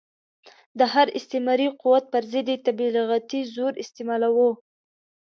د هر استعماري قوت پر ضد یې تبلیغاتي زور استعمالاوه.